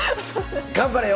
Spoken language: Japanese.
頑張れよ！